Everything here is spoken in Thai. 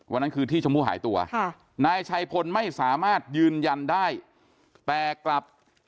วันนั้นคือที่ชมพู่หายตัวค่ะนายชัยพลไม่สามารถยืนยันได้แต่กลับ